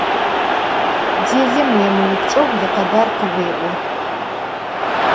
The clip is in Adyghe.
Dêlem vuêmıupçç'eu yikhebar khıuê'o.